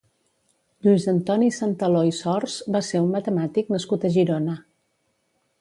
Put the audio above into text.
Lluís Antoni Santaló i Sors va ser un matemàtic nascut a Girona.